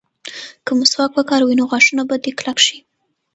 که مسواک وکاروې نو غاښونه به دې کلک شي.